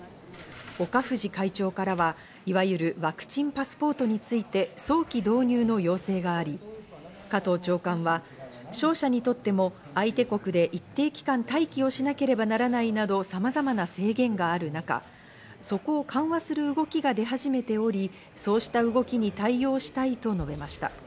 岡藤会長からは、いわゆるワクチンパスポートについて早期導入の要請があり、加藤長官は商社にとっても相手国で一定期間待機をしなければならないなどさまざまな制限がある中、そこを緩和する動きが出始めており、そうした動きに対応したいと述べました。